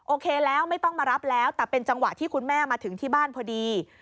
โอเคแล้วไม่ต้องมารับแล้วแต่เป็นจังหวะที่คุณแม่มาถึงที่บ้านพอดี